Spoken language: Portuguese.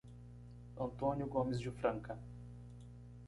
Antônio Gomes de Franca